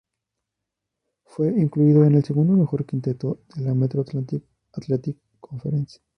Fue incluido en el segundo mejor quinteto de la Metro Atlantic Athletic Conference.